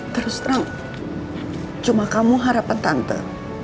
terus terang cuma kamu harapan tante